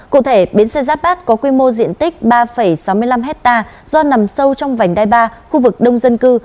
cụ thể bến xe giáp bát có quy mô diện tích ba sáu mươi năm hectare do nằm sâu trong vành đai ba khu vực đông dân cư